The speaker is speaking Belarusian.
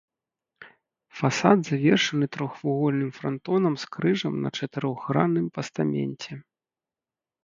Фасад завершаны трохвугольным франтонам з крыжам на чатырохгранным пастаменце.